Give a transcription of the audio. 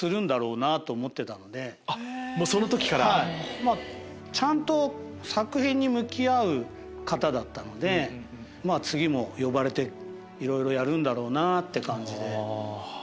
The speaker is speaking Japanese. もうその時から！ちゃんと作品に向き合う方だったので次も呼ばれていろいろやるんだろうなぁって感じで。